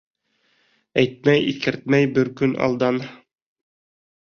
Әйтмәй, иҫкәртмәй, бер көн алдан.